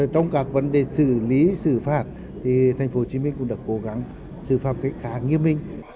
trong các vấn đề xử lý xử phạt thì tp hcm cũng đã cố gắng xử phạm cái khá nghiêm minh